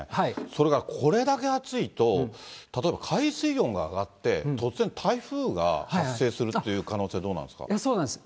それからこれだけ暑いと、例えば海水温が上がって、突然台風が発生するという可能性、そうなんです。